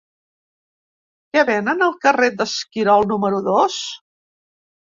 Què venen al carrer d'Esquirol número dos?